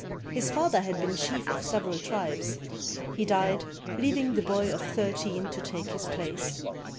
His father had been chief of several tribes. He died, leaving the boy of thirteen to take his place.